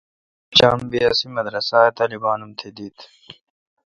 تے چام بی اس مدرسہ اے طالبان ام تہ دیت